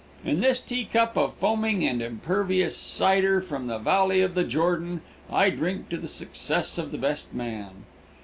In this teacup of foaming and impervious cider from the Valley of the Jordan I drink to the success of the best men.